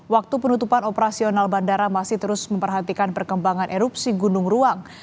waktu penutupan operasional bandara masih terus memperhatikan perkembangan erupsi gunung ruang